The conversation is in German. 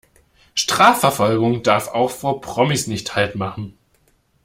Strafverfolgung darf auch vor Promis nicht Halt machen.